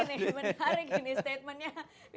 ini menarik ini statementnya